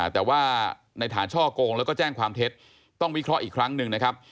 แต่ว่าในฐานช่อโกงแล้วก็แจ้งความเท็จต้องวิเคราะห์อีกครั้งหนึ่งนะครับ